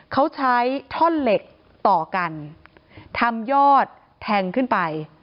เขาใช้ท่อนเหล็กต่อกันทำยอดแทงขึ้นไป